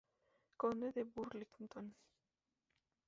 Conde de Burlington.